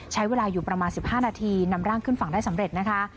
ใช้เวลาอยู่ประมาณ๑๕นาทีนำร่างขึ้นฝั่งได้สำเร็จนะคะ